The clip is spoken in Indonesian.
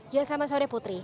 ya selamat sore putri